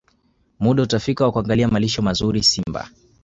Muda utafika wa kuangalia malisho mazuri Simba